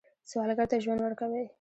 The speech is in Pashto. سوالګر ته ژوند ورکوئ